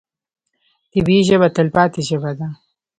طبیعي ژبه تلپاتې ژبه ده.